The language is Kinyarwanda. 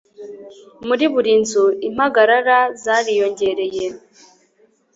muri buri nzu, impagarara zariyongereye